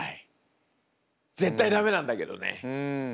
絶対駄目なんだけどね。